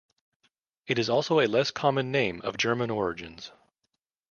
It is also a less common name of German origins.